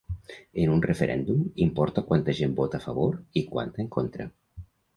En un referèndum, importa quanta gent vota a favor i quanta en contra.